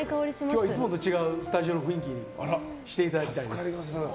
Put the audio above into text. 今日はいつもと違うスタジオの雰囲気にしていただきたいです。